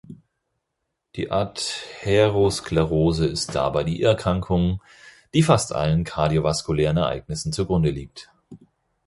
Die Atherosklerose ist dabei die Erkrankung, die fast allen kardiovaskulären Ereignissen zugrunde liegt.